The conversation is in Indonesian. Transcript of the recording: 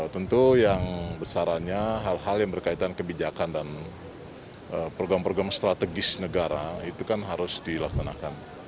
tentu yang besarannya hal hal yang berkaitan kebijakan dan program program strategis negara itu kan harus dilaksanakan